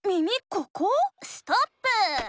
ここ⁉ストップー！